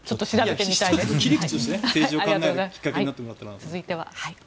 続いては。